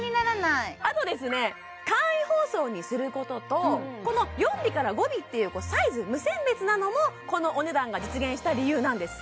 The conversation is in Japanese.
簡易包装にすることとこの４尾から５尾っていうサイズ無選別なのもこのお値段が実現した理由なんです